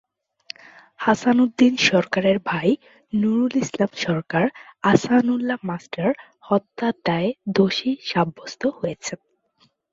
হাসান উদ্দিন সরকারের ভাই নুরুল ইসলাম সরকার আহসানউল্লাহ মাস্টার হত্যার দায়ে দোষী সাব্যস্ত হয়েছেন।